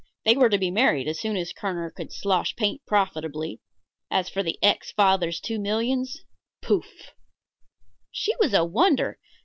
They were to be married as soon as Kerner could slosh paint profitably. As for the ex father's two millions pouf! She was a wonder.